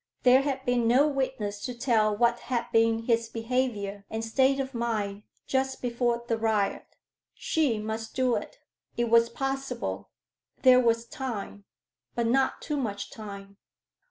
There had been no witness to tell what had been his behavior and state of mind just before the riot. She must do it. It was possible. There was time. But not too much time.